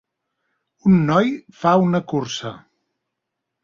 Un noi fa una cursa